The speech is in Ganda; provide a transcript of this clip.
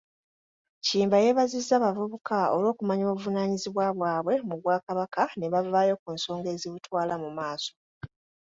Kiyimba yeebazizza abavubuka olw'okumanya obuvunaanyizibwa bwabwe mu Bwakabaka ne bavaayo ku nsonga ezibutwala mu maaso.